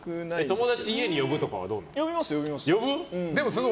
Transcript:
友達を家に呼ぶとかどうなの？